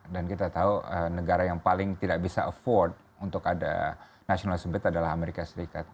dan kita tahu negara yang paling tidak bisa afford untuk ada nasionalisme sempit adalah amerika serikat